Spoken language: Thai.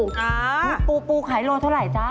คุณปูปูขายโลเท่าไหร่จ๊ะ